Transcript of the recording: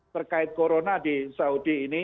terkait corona di saudi ini